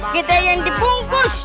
kita yang dibungkus